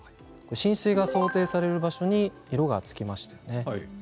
浸水が想定される場所に色がつきました。